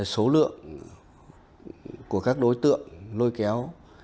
số lượng của các đối tượng lôi kéo